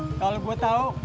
neng alia tuh udah dateng